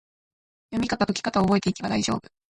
読みかた・解きかたを覚えていけば大丈夫！